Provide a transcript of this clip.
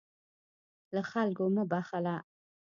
له خلکو مه بخله.